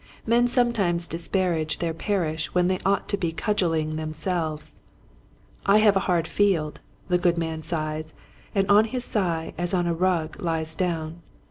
Men sometimes disparage their parish when they ought to he cudgeling them selves. " I have a hard field !" The good man sighs and on his sigh as on a rug lies down.